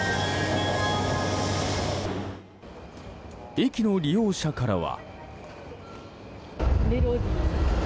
駅の利用者からは。